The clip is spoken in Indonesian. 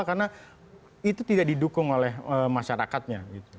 karena itu tidak didukung oleh masyarakatnya